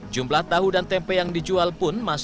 jumlah tahu dan tempe yang dijual pun masih